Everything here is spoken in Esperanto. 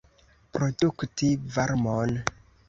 Produkti varmon.